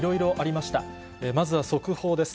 まずは速報です。